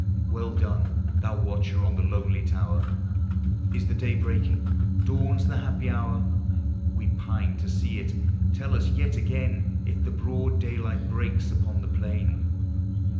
Well done, thou watcher on the lonely tower! Is the day breaking? Dawns the happy hour? We pine to see it; tell us yet again If the broad daylight breaks upon the plain?